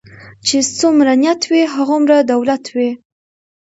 چی څومره نيت وي هغومره دولت وي .